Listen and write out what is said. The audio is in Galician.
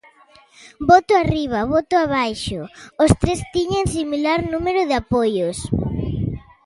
Voto arriba voto abaixo, os tres tiñan similar número de apoios.